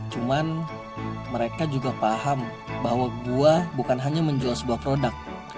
cuman mereka juga paham bahwa gua bukan hanya menjual sebuah produk